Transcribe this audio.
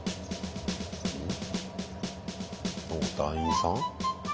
団員さん？